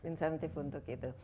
insentif untuk itu